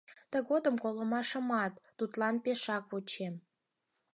Тыгодым колымашымат тудлан пешакак вучем.